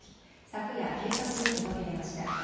昨夜、警察に届け出ました。